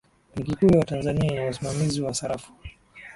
benki kuu ya tanzania ina usimamizi wa sarafu